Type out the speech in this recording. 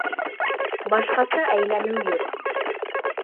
Башҡаса әйләнеү юҡ.